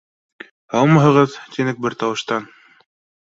— Һаумыһығыҙ, — тинек бер тауыштан.